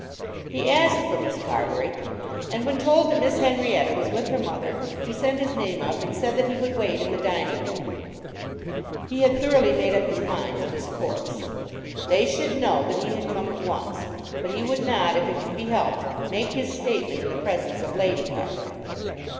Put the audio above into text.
He asked for Miss Carbury, and when told that Miss Henrietta was with her mother, he sent his name up and said that he would wait in the dining room. He had thoroughly made up his mind to this course. They should know that he had come at once; but he would not, if it could be helped, make his statement in the presence of Lady Carbury.